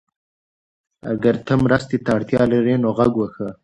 اگر ته مرستې ته اړتیا لرې نو غږ وکړه.